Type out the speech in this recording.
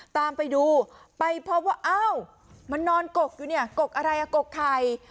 ตามไปดูไปพบว่าอ้าวมันนอนกกอยู่เนี่ยกกอะไรอ่ะกกไข่